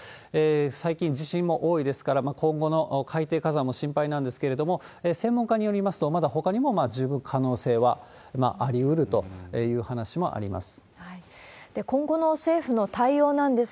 最近地震も多いですから、今後の海底火山も心配なんですけれども、専門家によりますと、まだほかにも十分可能性はありうるという話もあります。